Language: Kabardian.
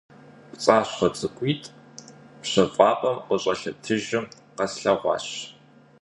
ПцӀащхъуэ цӀыкӀуитӏ пщэфӀапӀэм къыщӀэлъэтыжу къэтлъэгъуащ.